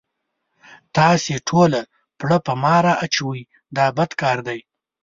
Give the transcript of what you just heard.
تاسې ټوله پړه په ما را اچوئ دا بد کار دی.